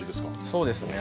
そうですね。